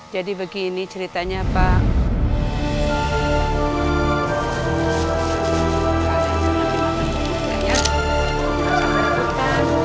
jadi begini ceritanya pak